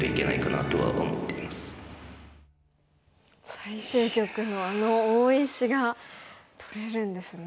最終局のあの大石が取れるんですね。